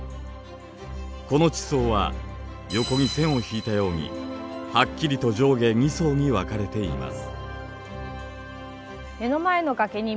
この地層は横に線を引いたようにはっきりと上下２層に分かれています。